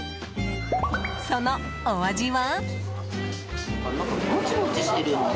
そのお味は？